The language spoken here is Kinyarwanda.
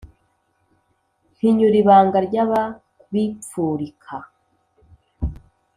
Mpinyura ibanga ry’ababipfurika